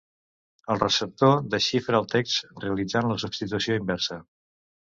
El receptor desxifra el text realitzant la substitució inversa.